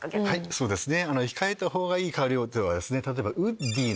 そうですね。